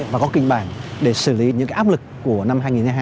và có kinh bản để xử lý những cái áp lực của năm hai nghìn hai mươi hai